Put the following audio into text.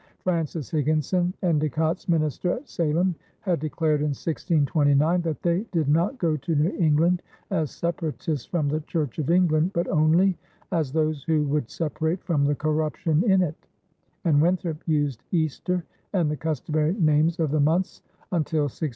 Francis Higginson, Endecott's minister at Salem, had declared in 1629 that they did not go to New England as separatists from the Church of England but only as those who would "separate from the corruption in it"; and Winthrop used "Easter" and the customary names of the months until 1635.